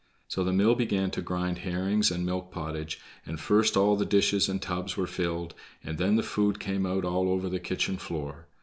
So the mill began to grind herrings and milk pottage, and first all the dishes and tubs were filled, and then the food came out all over the kitchen floor.